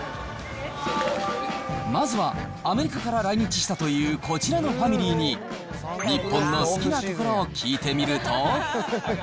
まずは、アメリカから来日したというこちらのファミリーに、日本の好きなところを聞いてみると。